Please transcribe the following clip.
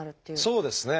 そうですね。